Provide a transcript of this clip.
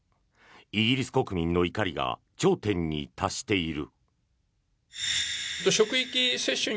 イギリス国民の怒りが頂点に達している。